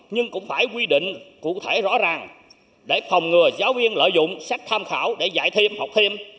nhưng cũng phải quy định cụ thể rõ ràng để phòng ngừa giáo viên lợi dụng sách tham khảo để dạy thêm học thêm